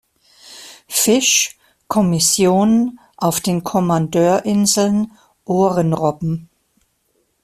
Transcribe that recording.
Fisch Kommission auf den Kommandeurinseln Ohrenrobben.